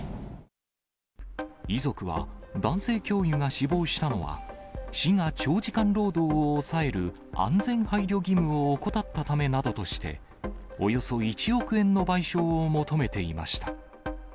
遺族は男性教諭が死亡したのは、市が長時間労働を抑える安全配慮義務を怠ったためなどとして、およそ１億円の賠償を求めていました。